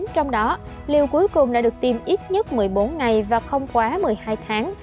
trong đó liều cuối cùng lại được tiêm ít nhất một mươi bốn ngày và không quá một mươi hai tháng